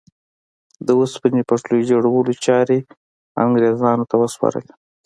د اوسپنې پټلۍ جوړولو چارې انګرېزانو ته وسپارلې.